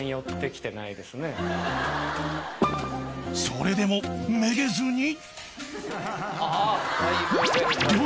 ［それでもめげずに］